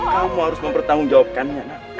kamu harus mempertanggungjawabkannya nak